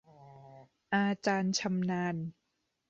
อาจารย์ชำนาญ